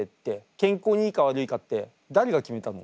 健康にいいか悪いかって誰が決めたの？